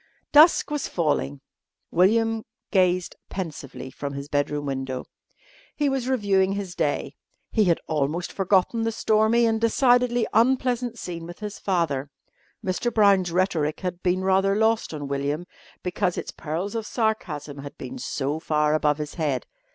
Dusk was falling. William gazed pensively from his bedroom window. He was reviewing his day. He had almost forgotten the stormy and decidedly unpleasant scene with his father. Mr. Brown's rhetoric had been rather lost on William, because its pearls of sarcasm had been so far above his head.